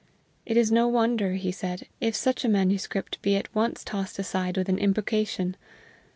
It is no wonder, he said, if such a manuscript be at once tossed aside with an imprecation.